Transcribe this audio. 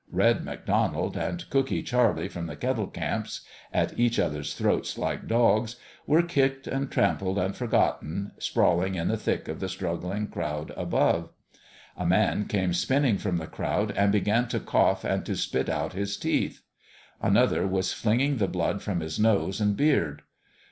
Red McDonald and Cookee Charlie from the Kettle Camps at each other's throats like dogs were kicked and trampled and forgotten, sprawling in the thick of the struggling crowd above. A man came spinning from the crowd and began to cough and to spit out his teeth. Another was flinging the blood from his nose and beard.